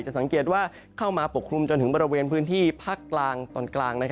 สังเกตว่าเข้ามาปกคลุมจนถึงบริเวณพื้นที่ภาคกลางตอนกลาง